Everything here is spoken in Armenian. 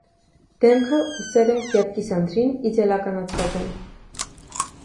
Դեմքը, ուսերը և կիսանդրին իդեալկանացված են։